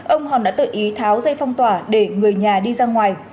ông hòn đã tự ý tháo dây phong tỏa để người nhà đi ra ngoài